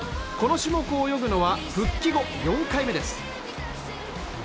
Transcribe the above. この種目を泳ぐのは復帰後４回目です。